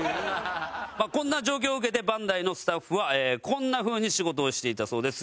こんな状況を受けてバンダイのスタッフはこんな風に仕事をしていたそうです。